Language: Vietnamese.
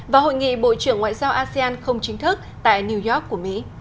và hội nghị bộ trưởng ngoại giao asean không chính thức tại new york của mỹ